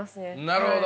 なるほど。